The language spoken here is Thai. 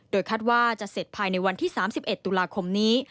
คาดว่าจะเสร็จภายในวันที่๓๑ตุลาคมนี้